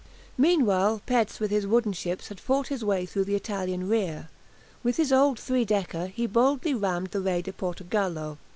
Meanwhile Petz with his wooden ships had fought his way through the Italian rear. With his old three decker he boldly rammed the "Re di Portogallo."